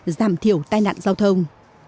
giảm thiểu tai nạn giao thông